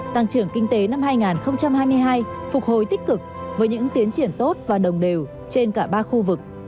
tăng trưởng kinh tế năm hai nghìn hai mươi hai phục hồi tích cực với những tiến triển tốt và đồng đều trên cả ba khu vực